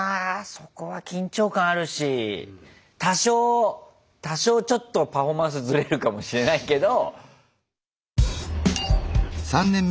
そこは緊張感あるし多少多少ちょっとパフォーマンスずれるかもしれないけど。